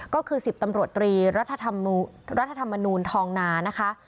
ก็คือ๑๐ตำรวจตรีรัฐธรรมนูลทองนานะคะ